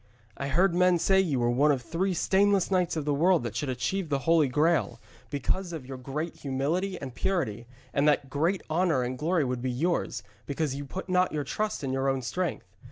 I heard men say you were one of three stainless knights of the world that should achieve the Holy Graal, because of your great humility and purity, and that great honour and glory would be yours, because you put not your trust in your own strength.